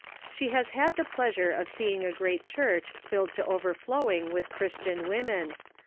She has had the pleasure of seeing a great church filled to overflowing with Christian women.